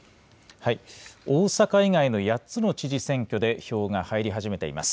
大阪以外の８つの知事選挙で、票が入り始めています。